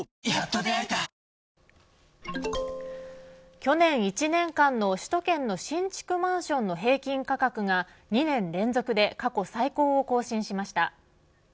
去年１年間の首都圏の新築マンションの平均価格が２年連続で過去最高を更新しました。